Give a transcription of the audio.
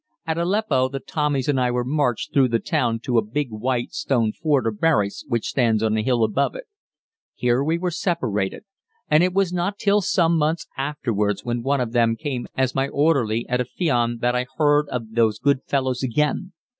At Aleppo the Tommies and I were marched through the town to a big white stone fort or barracks which stands on a hill above it. Here we were separated, and it was not till some months afterwards when one of them came as my orderly at Afion that I heard of those good fellows again.